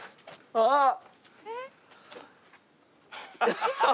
あっ！